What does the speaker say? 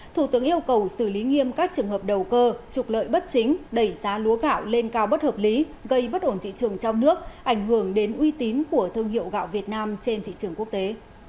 thủ tướng yêu cầu xử lý nghiêm các trường hợp đầu cơ trục lợi bất chính đẩy giá lúa gạo lên cao bất hợp lý gây bất ổn thị trường trong nước ảnh hưởng đến uy tín của thương hiệu gạo việt nam trên thị trường quốc tế